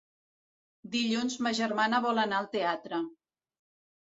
Dilluns ma germana vol anar al teatre.